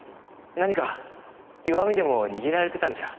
何か弱みでも握られてたんじゃ？